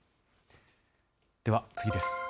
では次です。